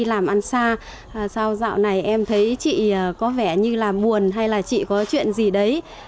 đi làm ăn xa sau dạo này em thấy chị có vẻ như là buồn hay là chị có chuyện gì đấy